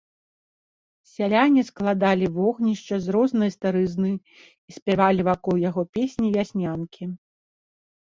Сяляне складалі вогнішча з рознай старызны і спявалі вакол яго песні-вяснянкі.